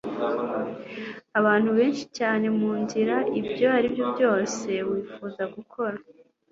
Abantu benshi cyane munzira, ibyo aribyo byose wifuza gukora,